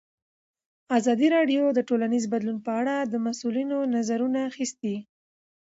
ازادي راډیو د ټولنیز بدلون په اړه د مسؤلینو نظرونه اخیستي.